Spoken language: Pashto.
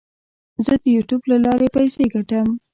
زه د یوټیوب له لارې پیسې ګټم.